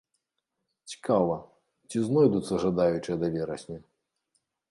Цікава, ці знойдуцца жадаючыя да верасня?